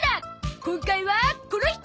今回はこの人！